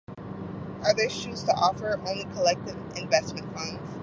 Others choose to offer only collective investment funds.